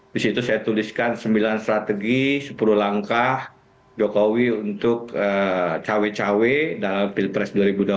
di situ saya tuliskan sembilan strategi sepuluh langkah jokowi untuk cawe cawe dalam pilpres dua ribu dua puluh empat